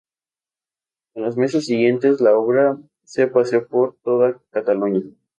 En los meses siguientes la obra se paseó por toda Cataluña.